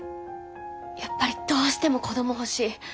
やっぱりどうしても子ども欲しい。